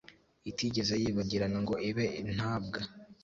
itigeze yibagirana ngo ibe intabwa.